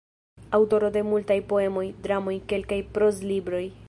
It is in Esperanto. Aŭtoro de multaj poemoj, dramoj, kelkaj proz-libroj.